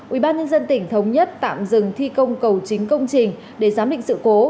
ubnd tỉnh thống nhất tạm dừng thi công cầu chính công trình để giám định sự cố